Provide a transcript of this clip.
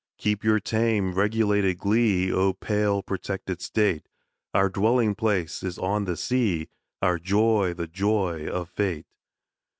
Keep your tame, regulated glee, O pale protected State! Our dwelling place is on the sea, Our joy the joy of Fate!